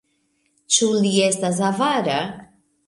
Ĉu li estas avara?